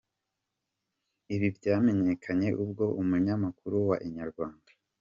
Ibi byamenyekanye ubwo umunyamakuru wa Inyarwanda.